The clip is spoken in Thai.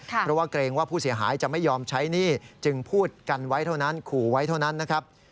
เพราะว่าเกรงว่าผู้เสียหายจะไม่ยอมใช้หนี้จึงพูดกันไว้เท่านั้นขู่ไว้เท่านั้นนะครับ